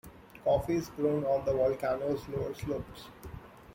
Coffee is grown on the volcano's lower slopes.